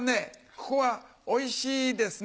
ここは「おいしいですね」